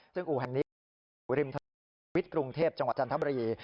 ซึ่งอู่ซ่อมรถอู่รมิตาพรการไฟฟ้าหมู่๙ตำบลวังตะโนธอำเภอนายอาจารย์ทัพบุรี